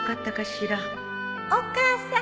お母さん